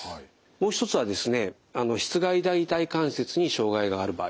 もう一つはですねしつ蓋大腿関節に障害がある場合です。